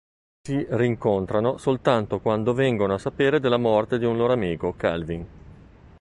Si rincontrano soltanto quando vengono a sapere della morte di un loro amico, Calvin.